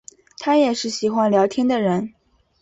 她也是喜欢聊天的人